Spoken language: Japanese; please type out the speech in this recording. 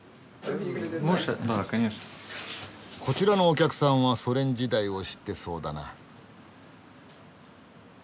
こちらのお客さんはソ連時代を知ってそうだな。